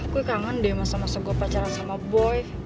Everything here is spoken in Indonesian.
gue kangen deh masa masa gua pacaran sama boy